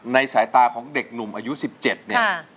สายตาของเด็กหนุ่มอายุ๑๗เนี่ย